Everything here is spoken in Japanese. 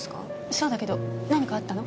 そうだけど何かあったの？